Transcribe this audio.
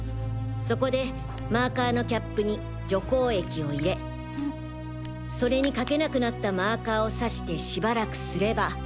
そこでマーカーのキャップに除光液を入れそれに書けなくなったマーカーを挿してしばらくすれば。